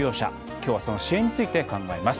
きょうはその支援について考えます。